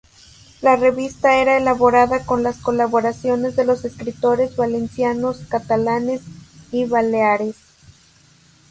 La revista era elaborada con las colaboraciones de los escritores valencianos, catalanes y baleares.